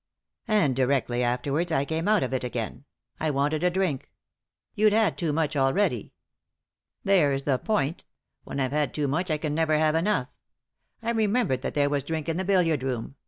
"And directly afterwards I came out of it again. I wanted a drink." " You'd had too much already." " There's the point — when I've had too much I can never have enough. I remembered that there was drink in the billiard room.